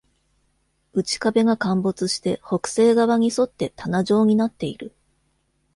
内壁が陥没して北西側に沿って棚状になっている。